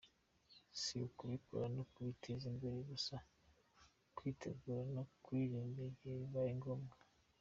Si ukubikora no kubiteza imbere gusa, twitegure no kubirinda igihe bibaye ngombwa.”